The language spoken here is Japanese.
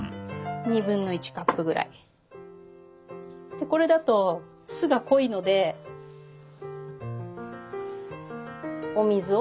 でこれだと酢が濃いのでお水を半分。